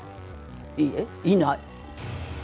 いいえいない。